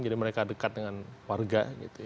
jadi mereka dekat dengan warga